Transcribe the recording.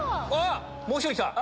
もう１人きた！